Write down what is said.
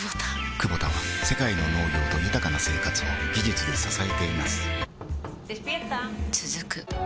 クボタは世界の農業と豊かな生活を技術で支えています起きて。